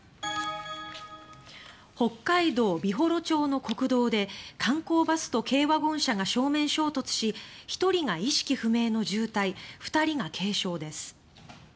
北海道美幌町の国道で観光バスと軽ワゴン車が正面衝突し１人が意識不明の重体２人が軽傷です。